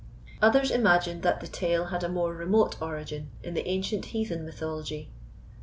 Others imagined that the tale had a more remote origin in the ancient heathen mythology.